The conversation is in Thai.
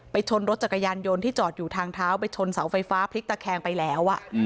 ชนรถจักรยานยนต์ที่จอดอยู่ทางเท้าไปชนเสาไฟฟ้าพลิกตะแคงไปแล้ว